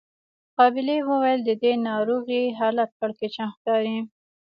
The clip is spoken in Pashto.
قابلې وويل د دې ناروغې حالت کړکېچن ښکاري.